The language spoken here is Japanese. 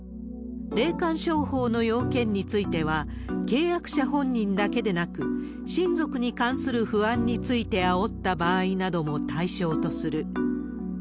霊感商法の要件については、契約者本人だけでなく、親族に関する不安についてあおった場合なども対象とする。